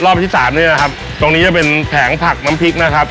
ที่สามนี่นะครับตรงนี้จะเป็นแผงผักน้ำพริกนะครับ